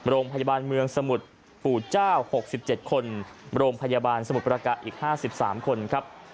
โรงพยาบาลเมืองสมุทรปู่เจ้า๖๗คนโรงพยาบาลสมุทรประการอีก๕๓คนครับ